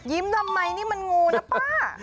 ทำไมนี่มันงูนะป้า